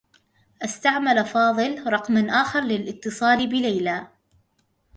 استعمل فاضل رقما آخر لاتّصال بليلى.